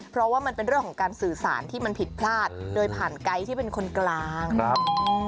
เพราะว่ามันเป็นเรื่องของการสื่อสารที่มันผิดพลาดโดยผ่านไกด์ที่เป็นคนกลางครับ